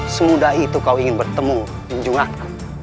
semudah itu kau ingin bertemu denganku